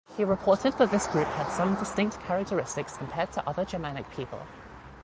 He reported that this group had some distinct characteristics compared to other Germanic people.